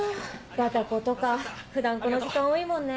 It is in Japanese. バタコとか普段この時間多いもんね。